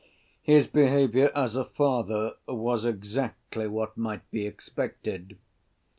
His behavior as a father was exactly what might be expected.